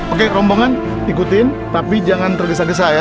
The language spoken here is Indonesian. oke rombongan ikutin tapi jangan tergesa gesa ya